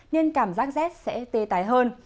nên cảm giác rét sẽ tê tái hơn